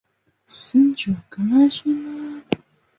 凶杀案是指涉及死体的案件。